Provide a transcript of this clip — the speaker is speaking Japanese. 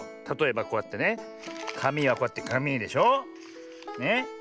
たとえばこうやってねかみはこうやってかみでしょ。ね。